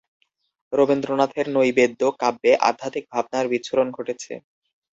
রবীন্দ্রনাথের "নৈবেদ্য" কাব্যে আধ্যাত্মিক ভাবনার বিচ্ছুরণ ঘটেছে।